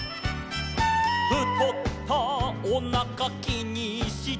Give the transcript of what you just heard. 「ふとったおなかきにして」